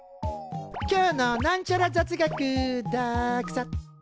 今日のなんちゃら雑学ＤＡＸＡ。